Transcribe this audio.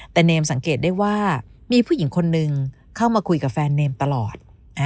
แต่เนมสังเกตได้ว่ามีผู้หญิงคนนึงเข้ามาคุยกับแฟนเนมตลอด